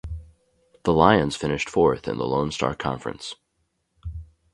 The Lions finished fourth in the Lone Star Conference.